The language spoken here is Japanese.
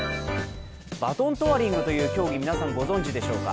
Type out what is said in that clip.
バトントワリングという競技、皆さんご存じでしょうか。